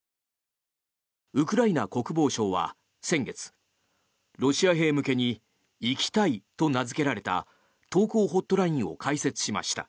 ウクライナ国防省は先月ロシア兵向けに「生きたい」と名付けられた投降ホットラインを開設しました。